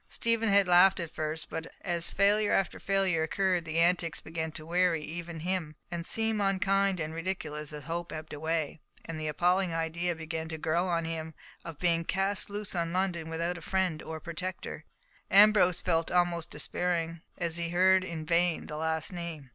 Stephen had laughed at first, but as failure after failure occurred, the antics began to weary even him, and seem unkind and ridiculous as hope ebbed away, and the appalling idea began to grow on him of being cast loose on London without a friend or protector. Ambrose felt almost despairing as he heard in vain the last name.